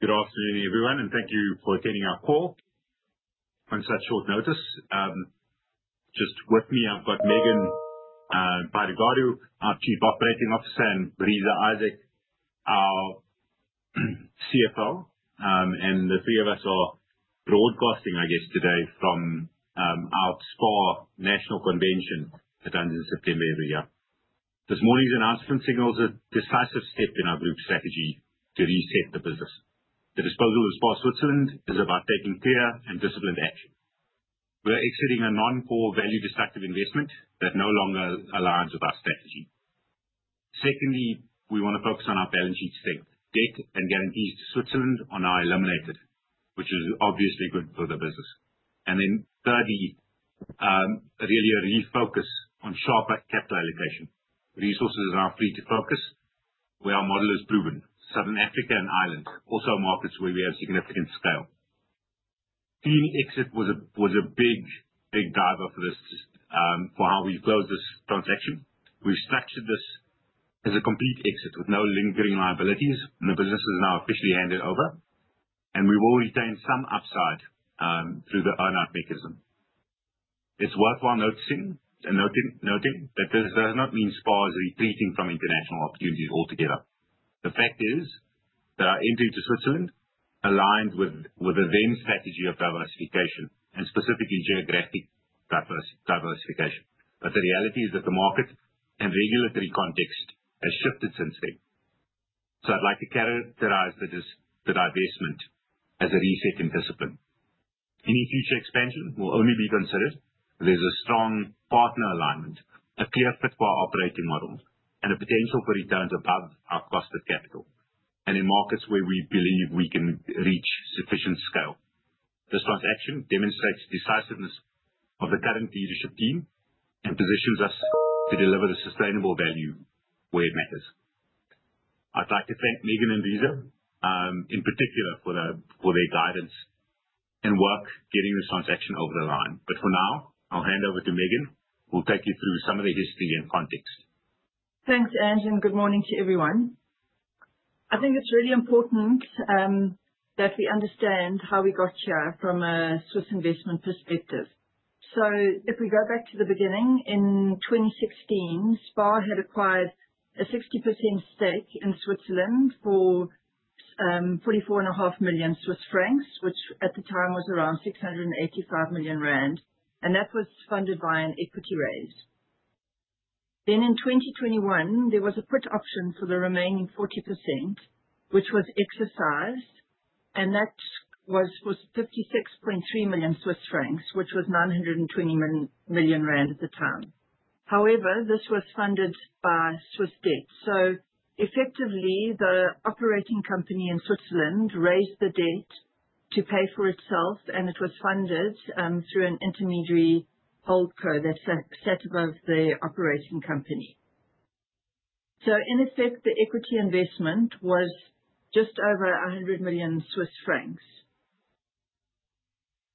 Good afternoon, everyone, and thank you for attending our call on such short notice. Just with me, I've got Megan Pydigadu, our Chief Operating Officer, and Reeza Isaacs, our CFO. And the three of us are broadcasting, I guess, today from our SPAR National Convention that ends in September every year. This morning's announcement signals a decisive step in our group strategy to reset the business. The disposal of SPAR Switzerland is about taking clear and disciplined action. We're exiting a non-core, value-destructive investment that no longer aligns with our strategy. Secondly, we want to focus on our balance sheet strength. Debt and guarantees to Switzerland are now eliminated, which is obviously good for the business. And then thirdly, really a refocus on sharper capital allocation. Resources are now free to focus where our model has proven. Southern Africa and Ireland, also markets where we have significant scale. Clean exit was a big driver for how we've closed this transaction. We've structured this as a complete exit with no lingering liabilities, and the business is now officially handed over, and we will retain some upside through the earn-out mechanism. It's worthwhile noting that this does not mean SPAR is retreating from international opportunities altogether. The fact is that our entry to Switzerland aligned with the then strategy of diversification, and specifically geographic diversification, but the reality is that the market and regulatory context has shifted since then, so I'd like to characterize the divestment as a reset in discipline. Any future expansion will only be considered if there's a strong partner alignment, a clear fit for our operating model, and a potential for returns above our cost of capital, and in markets where we believe we can reach sufficient scale. This transaction demonstrates the decisiveness of the current leadership team and positions us to deliver the sustainable value where it matters. I'd like to thank Megan and Reeza in particular for their guidance and work getting this transaction over the line. But for now, I'll hand over to Megan, who will take you through some of the history and context. Thanks, Ange, and good morning to everyone. I think it's really important that we understand how we got here from a Swiss investment perspective, so if we go back to the beginning, in 2016, SPAR had acquired a 60% stake in Switzerland for 44.5 million Swiss francs, which at the time was around 685 million rand, and that was funded by an equity raise, then in 2021, there was a put option for the remaining 40%, which was exercised, and that was for 56.3 million Swiss francs, which was 920 million rand at the time. However, this was funded by Swiss debt, so effectively, the operating company in Switzerland raised the debt to pay for itself, and it was funded through an intermediary holdco that's set above the operating company, so in effect, the equity investment was just over 100 million Swiss francs.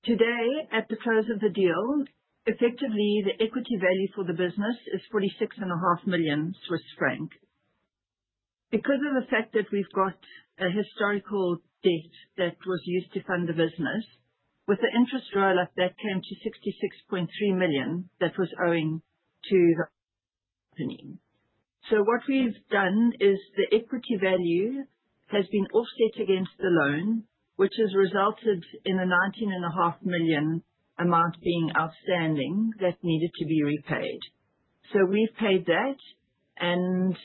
Today, at the close of the deal, effectively, the equity value for the business is 46.5 million Swiss franc. Because of the fact that we've got a historical debt that was used to fund the business, with the interest roll-up, that came to 66.3 million that was owing to the company. So what we've done is the equity value has been offset against the loan, which has resulted in a 19.5 million amount being outstanding that needed to be repaid. So we've paid that, and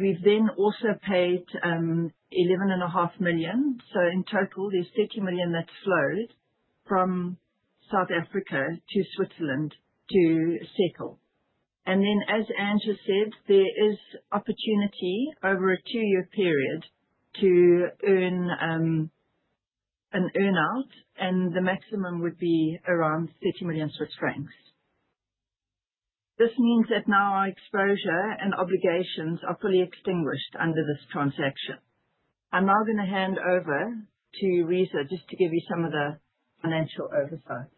we've then also paid 11.5 million. So in total, there's 30 million that's flowed from South Africa to Switzerland to settle. And then, as Ange said, there is opportunity over a two-year period to earn an earn-out, and the maximum would be around 30 million Swiss francs. This means that now our exposure and obligations are fully extinguished under this transaction. I'm now going to hand over to Reeza just to give you some of the financial oversight.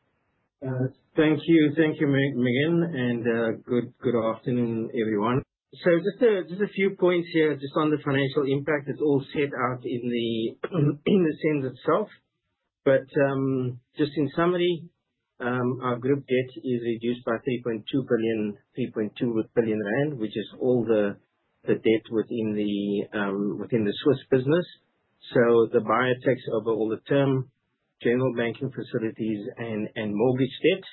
Thank you. Thank you, Megan, and good afternoon, everyone. Just a few points here just on the financial impact. It's all set out in the SPAR itself. But just in summary, our group debt is reduced by 3.2 billion, 3.2 billion rand, which is all the debt within the Swiss business. The buyer takes over all the term, general banking facilities, and mortgage debt.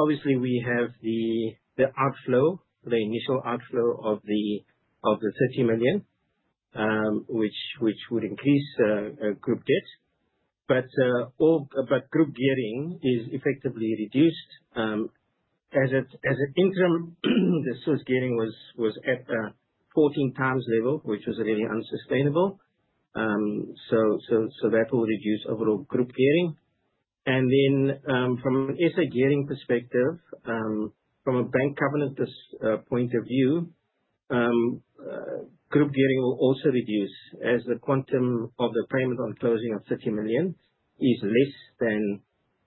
Obviously, we have the outflow, the initial outflow of 30 million, which would increase group debt. But group gearing is effectively reduced. As an interim, the Swiss gearing was at a 14 times level, which was really unsustainable. That will reduce overall group gearing. And then from an SA gearing perspective, from a bank governance point of view, group gearing will also reduce as the quantum of the payment on closing of 30 million is less than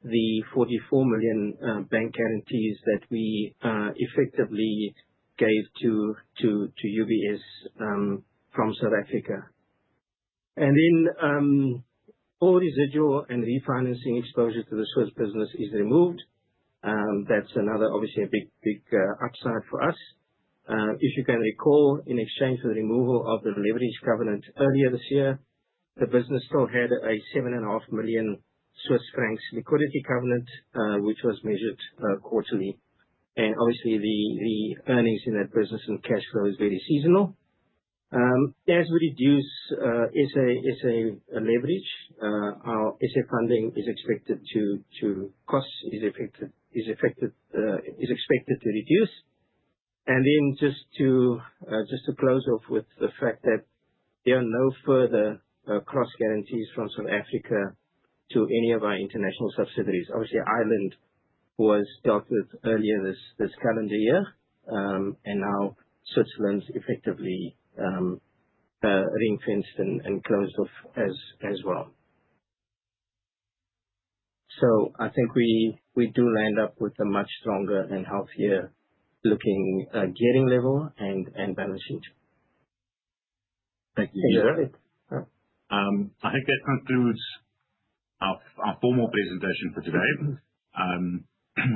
the 44 million bank guarantees that we effectively gave to UBS from South Africa. And then all residual and refinancing exposure to the Swiss business is removed. That's another, obviously, a big upside for us. If you can recall, in exchange for the removal of the leverage covenant earlier this year, the business still had a 7.5 million Swiss francs liquidity covenant, which was measured quarterly. And obviously, the earnings in that business and cash flow is very seasonal. As we reduce SA leverage, our SA funding is expected to, cost is expected to reduce. And then just to close off with the fact that there are no further cross-guarantees from South Africa to any of our international subsidiaries. Obviously, Ireland was dealt with earlier this calendar year, and now Switzerland's effectively ring-fenced and closed off as well. So I think we do land up with a much stronger and healthier-looking gearing level and balance sheet. Thank you, Reeza. I think that concludes our formal presentation for today.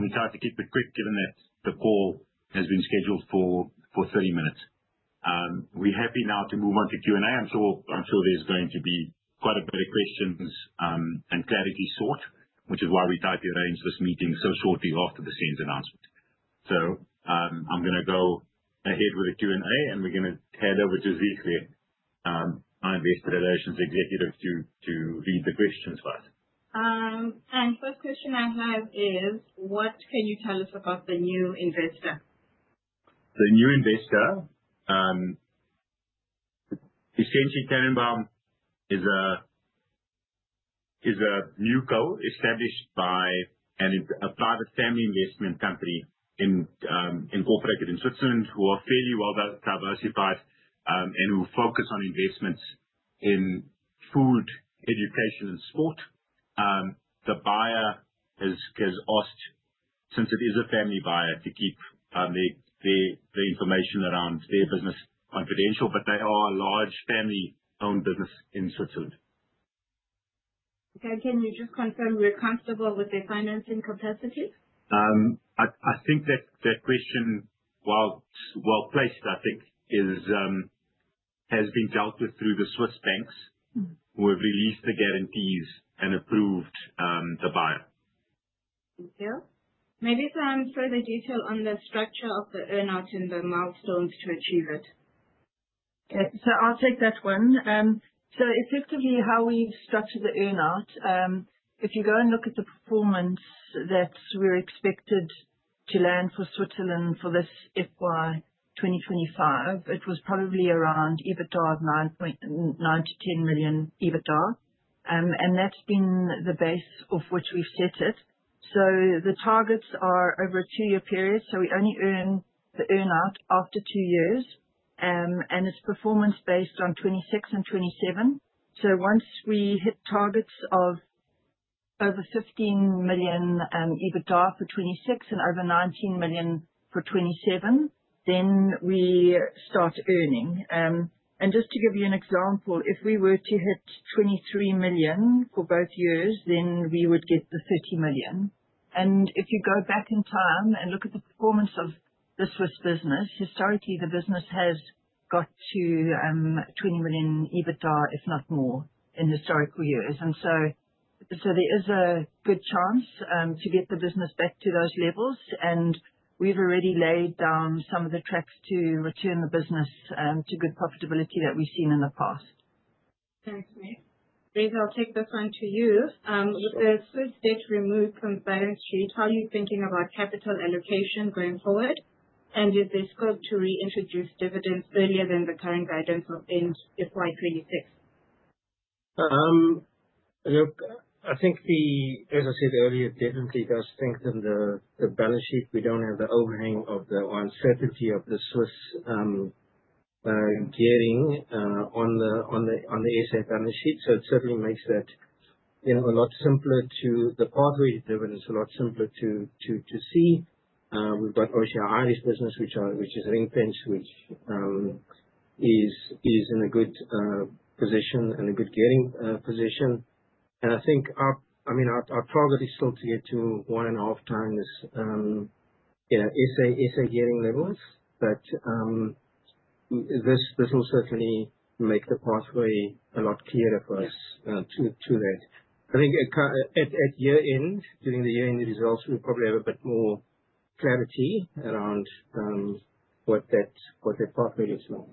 We try to keep it quick given that the call has been scheduled for 30 minutes. We're happy now to move on to Q&A. I'm sure there's going to be quite a bit of questions and clarity sought, which is why we tried to arrange this meeting so shortly after the SPAR announcement. So I'm going to go ahead with the Q&A, and we're going to hand over to Zihle, our investor relations executive, to read the questions for us. The first question I have is, what can you tell us about the new investor? The new investor, Tannenwald, is a new co. established by a private family investment company incorporated in Switzerland who are fairly well diversified and who focus on investments in food, education, and sport. The buyer has asked, since it is a family buyer, to keep the information around their business confidential, but they are a large family-owned business in Switzerland. Okay. Can you just confirm we're comfortable with their financing capacity? I think that question, while placed, I think has been dealt with through the Swiss banks who have released the guarantees and approved the buyer. Thank you. Maybe some further detail on the structure of the earn-out and the milestones to achieve it? Okay. So I'll take that one. So effectively, how we've structured the earn-out, if you go and look at the performance that we're expected to land for Switzerland for this FY 2025, it was probably around EBITDA of 9-10 million EBITDA. And that's been the base off which we've set it. So the targets are over a two-year period. So we only earn the earn-out after two years, and it's performance-based on 2026 and 2027. So once we hit targets of over 15 million EBITDA for 2026 and over 19 million for 2027, then we start earning. And just to give you an example, if we were to hit 23 million for both years, then we would get the 30 million. And if you go back in time and look at the performance of the Swiss business, historically, the business has got to 20 million EBITDA, if not more, in historical years. And so there is a good chance to get the business back to those levels, and we've already laid down some of the tracks to return the business to good profitability that we've seen in the past. Thank you. Reeza, I'll take this one to you. With the Swiss debt removed from the balance sheet, how are you thinking about capital allocation going forward? And is there scope to reintroduce dividends earlier than the current guidance of end FY 2026? Look, I think, as I said earlier, it definitely does strengthen the balance sheet. We don't have the overhang of the uncertainty of the Swiss gearing on the SA balance sheet. So it certainly makes that a lot simpler to the pathway to dividends, a lot simpler to see. We've got our Irish business, which is ring-fenced, which is in a good position, in a good gearing position. And I think, I mean, our target is still to get to one and a half times SA gearing levels, but this will certainly make the pathway a lot clearer for us to that. I think at year-end, during the year-end results, we'll probably have a bit more clarity around what the pathway looks like.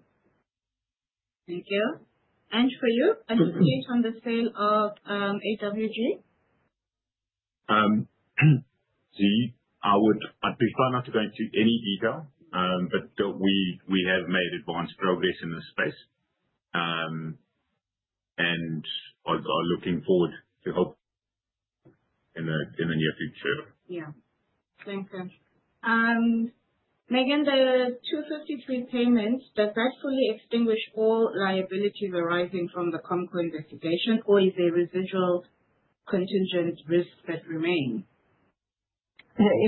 Thank you. Ange, for you, any change on the sale of AWG? See, I'd prefer not to go into any detail, but we have made advanced progress in this space, and I'm looking forward to help in the near future. Yeah. Thank you. Megan, the 253 payments, does that fully extinguish all liabilities arising from the ComCo investigation, or is there residual contingent risk that remains?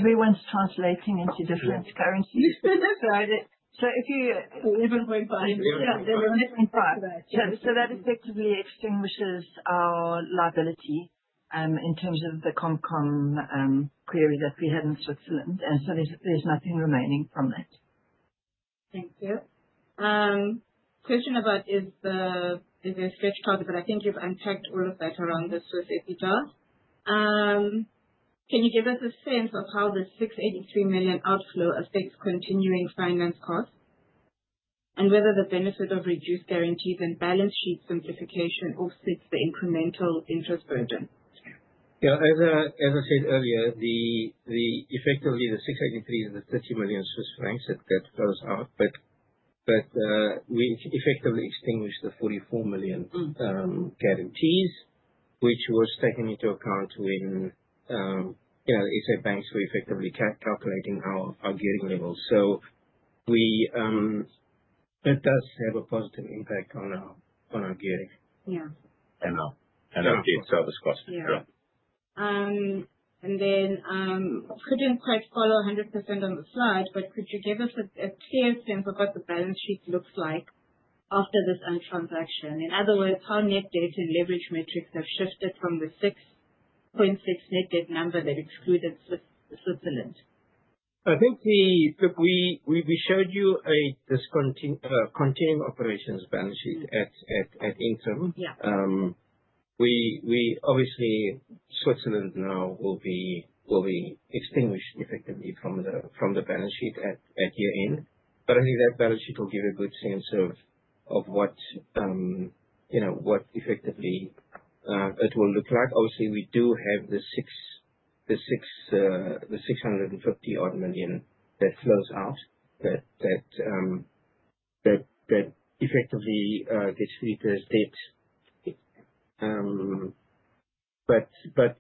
Everyone's translating into different currencies. So if you even went by. Yeah. So that effectively extinguishes our liability in terms of the ComCo query that we had in Switzerland, and so there's nothing remaining from that. Thank you. Question about is there a stretch target, but I think you've unpacked all of that around the Swiss EBITDA. Can you give us a sense of how the 683 million outflow affects continuing finance costs and whether the benefit of reduced guarantees and balance sheet simplification offsets the incremental interest burden? Yeah. As I said earlier, effectively, the 683 is the 30 million Swiss francs that flows out, but we effectively extinguish the 44 million guarantees, which was taken into account when the SA banks were effectively calculating our gearing levels. So it does have a positive impact on our gearing. Yeah. Our debt service cost. Yeah. And then couldn't quite follow 100% on the slide, but could you give us a clear sense of what the balance sheet looks like after this transaction? In other words, how net debt and leverage metrics have shifted from the 6.6 net debt number that excluded Switzerland? I think we showed you a continuing operations balance sheet at interim. Yeah. Obviously, Switzerland now will be extinguished effectively from the balance sheet at year-end. But I think that balance sheet will give a good sense of what effectively it will look like. Obviously, we do have the 650-odd million that flows out that effectively gets reduced debt. But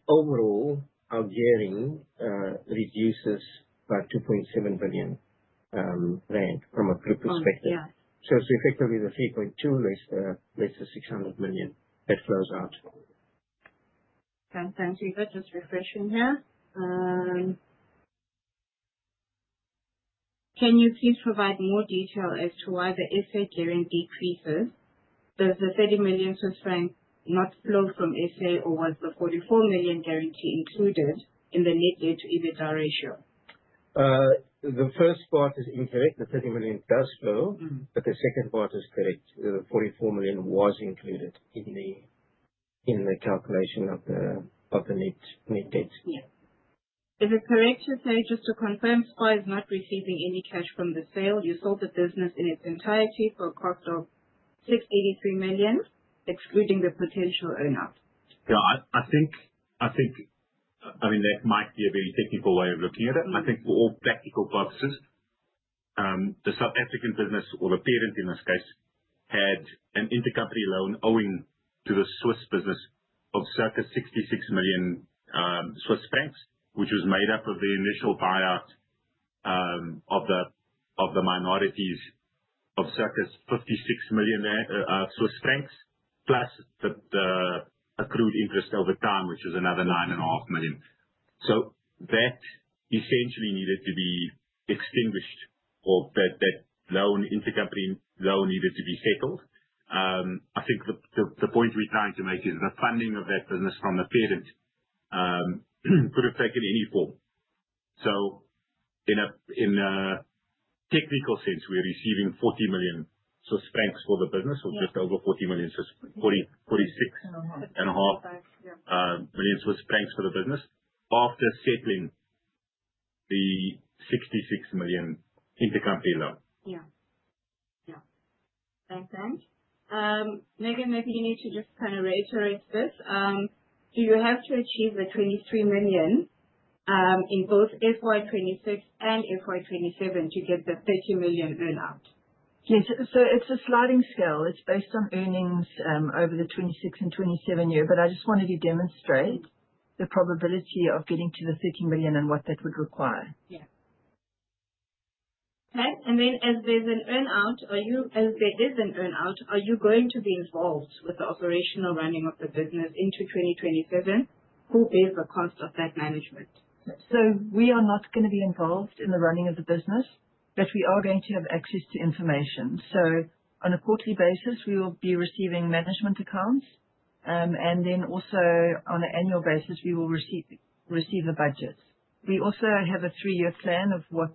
overall, our gearing reduces by 2.7 billion rand from a group perspective. So it's effectively the 3.2 less the 600 million that flows out. Thank you. Just refreshing here. Can you please provide more detail as to why the SA gearing decreases? Does the 30 million Swiss francs not flow from SA or was the 44 million guarantee included in the net debt to EBITDA ratio? The first part is incorrect. The 30 million does flow, but the second part is correct. The 44 million was included in the calculation of the net debt. Yeah. Is it correct to say, just to confirm, SPAR is not receiving any cash from the sale? You sold the business in its entirety for a cost of 683 million, excluding the potential earn-out. Yeah. I think, I mean, that might be a very technical way of looking at it. I think for all practical purposes, the South African business, or the parent in this case, had an intercompany loan owing to the Swiss business of circa 66 million Swiss francs, which was made up of the initial buyout of the minorities of circa 56 million Swiss francs, plus the accrued interest over time, which is another 9.5 million. So that essentially needed to be extinguished, or that intercompany loan needed to be settled. I think the point we're trying to make is the funding of that business from the parent could have taken any form. So in a technical sense, we're receiving 40 million Swiss francs for the business, or just over 40 million, 46.5 million Swiss francs for the business after settling the 66 million intercompany loan. Yeah. Yeah. Thanks, Ange. Megan, maybe you need to just kind of reiterate this. Do you have to achieve the 23 million in both FY 2026 and FY 2027 to get the 30 million earn-out? Yes. So it's a sliding scale. It's based on earnings over the 2026 and 2027 year, but I just wanted to demonstrate the probability of getting to the 30 million and what that would require. Yeah. Okay. And then as there is an earn-out, are you going to be involved with the operational running of the business into 2027? Who bears the cost of that management? We are not going to be involved in the running of the business, but we are going to have access to information. On a quarterly basis, we will be receiving management accounts, and then also on an annual basis, we will receive the budgets. We also have a three-year plan of what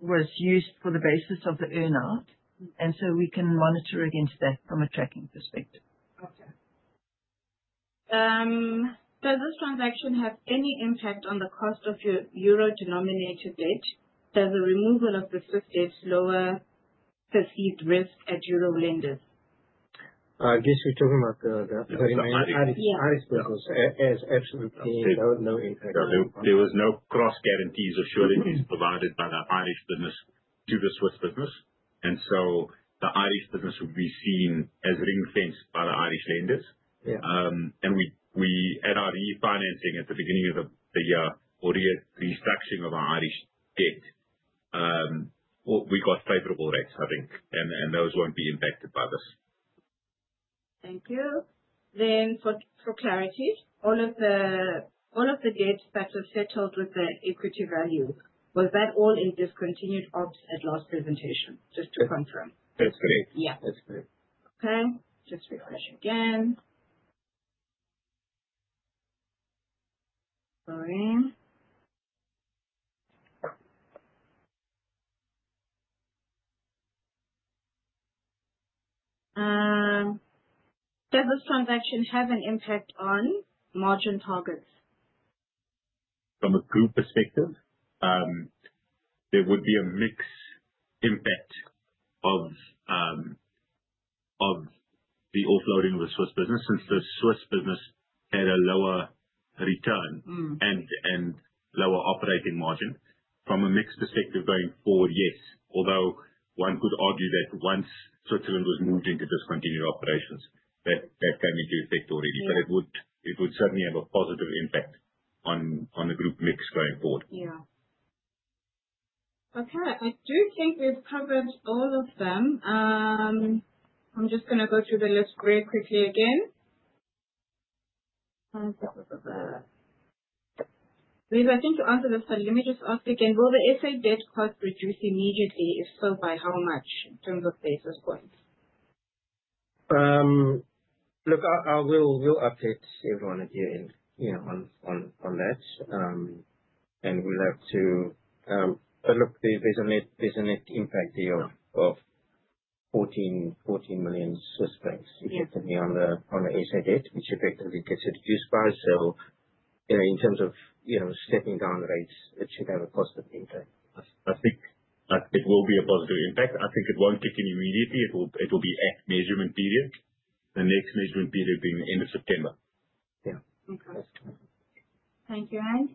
was used for the basis of the earn-out, and so we can monitor against that from a tracking perspective. Okay. Does this transaction have any impact on the cost of your Euro-denominated debt? Does the removal of the Swiss debt lower perceived risk at Euro lenders? I guess we're talking about the Irish business. Yeah. Irish business has absolutely no impact. There was no cross-guarantees or sureties provided by the Irish business to the Swiss business, and so the Irish business would be seen as ring-fenced by the Irish lenders. At our refinancing at the beginning of the year or the restructuring of our Irish debt, we got favorable rates, I think, and those won't be impacted by this. Thank you. Then for clarity, all of the debts that were settled with the equity value, was that all in discontinued ops at last presentation? Just to confirm. That's correct. Yeah. That's correct. Okay. Just refresh again. Sorry. Does this transaction have an impact on margin targets? From a group perspective, there would be a mixed impact of the offloading of the Swiss business since the Swiss business had a lower return and lower operating margin. From a mixed perspective going forward, yes. Although one could argue that once Switzerland was moved into discontinued operations, that came into effect already, but it would certainly have a positive impact on the group mix going forward. Yeah. Okay. I do think we've covered all of them. I'm just going to go through the list very quickly again. Reeza, I think you answered this, but let me just ask again, will the SA debt cost reduce immediately? If so, by how much in terms of basis points? Look, I will update everyone at year-end on that, and we'll have to, but look, there's a net impact here of 14 million Swiss francs if you're taking on the SA debt, which effectively gets reduced by. So in terms of stepping down rates, it should have a positive impact. I think it will be a positive impact. I think it won't kick in immediately. It will be at measurement period, the next measurement period being the end of September. Yeah. Okay. Thank you, Ange.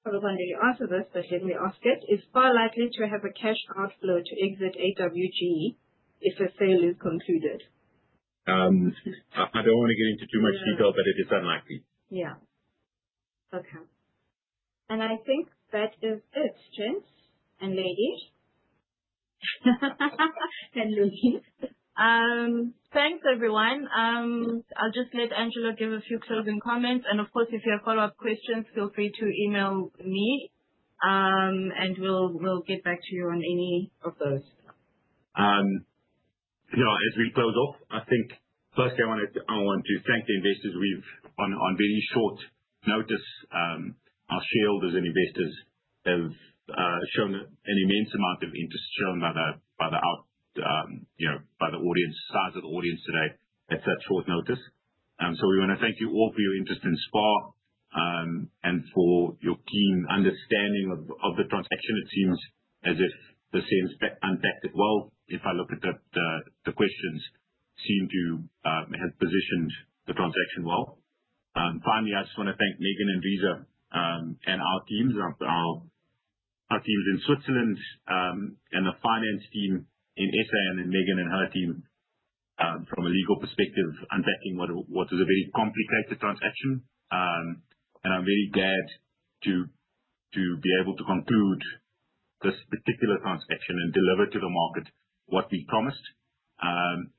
I was wondering. You answered this, but let me ask it. Is SPAR likely to have a cash outflow to exit AWG if the sale is concluded? I don't want to get into too much detail, but it is unlikely. Yeah. Okay, and I think that is it, gents and ladies and ladies. Thanks, everyone. I'll just let Angelo give a few closing comments, and of course, if you have follow-up questions, feel free to email me, and we'll get back to you on any of those. As we close off, I think firstly, I want to thank the investors. On very short notice, our shareholders and investors have shown an immense amount of interest, shown by the size of the audience today at such short notice. So we want to thank you all for your interest in SPAR and for your keen understanding of the transaction. It seems as if the sales unpacked it well. If I look at the questions, seem to have positioned the transaction well. Finally, I just want to thank Megan and Reeza and our teams in Switzerland and the finance team in SA and Megan and her team from a legal perspective unpacking what was a very complicated transaction. And I'm very glad to be able to conclude this particular transaction and deliver to the market what we promised.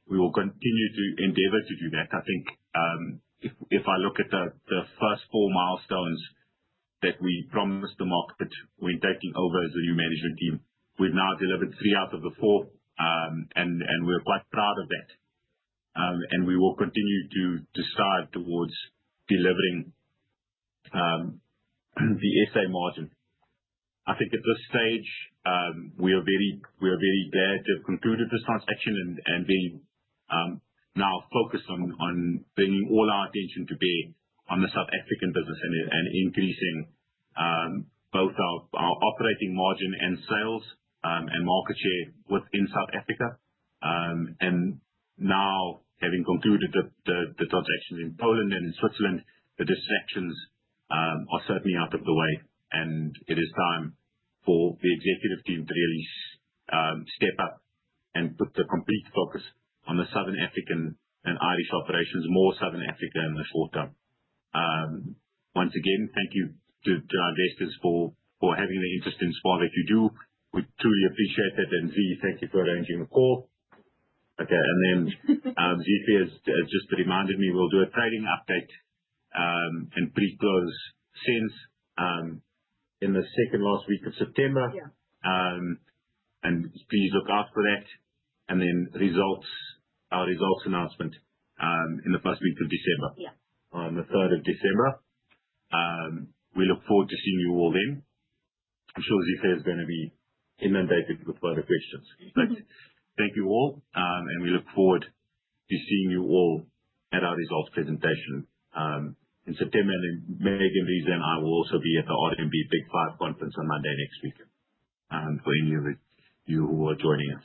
We will continue to endeavor to do that. I think if I look at the first four milestones that we promised the market when taking over as a new management team, we've now delivered three out of the four, and we're quite proud of that, and we will continue to strive towards delivering the SA margin. I think at this stage, we are very glad to have concluded this transaction and now focus on bringing all our attention to bear on the South African business and increasing both our operating margin and sales and market share within South Africa, and now, having concluded the transaction in Poland and in Switzerland, the distractions are certainly out of the way, and it is time for the executive team to really step up and put the complete focus on the Southern African and Irish operations, more Southern Africa in the short term. Once again, thank you to our investors for having the interest in SPAR. If you do, we truly appreciate that. And Z, thank you for arranging the call. Okay. And then Zihle has just reminded me we'll do a trading update and pre-close since in the second last week of September. And please look out for that. And then our results announcement in the first week of December, on the 3rd of December. We look forward to seeing you all then. I'm sure Zihle is going to be inundated with further questions. But thank you all, and we look forward to seeing you all at our results presentation in September. And then Megan, Reeza, and I will also be at the RMB Big Five conference on Monday next week for any of you who are joining us.